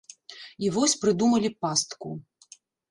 І вось прыдумалі пастку.